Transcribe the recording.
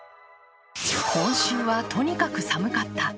今週はとにかく寒かった。